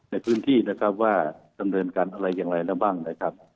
ในพื้นที่นะครับว่าดำเนินการอะไรอย่างไรแล้วบ้างนะครับ